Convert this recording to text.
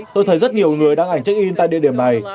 tôi thấy rất nhiều người đăng ảnh check in tại địa điểm này